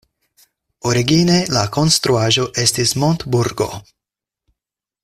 Origine la konstruaĵo estis montburgo.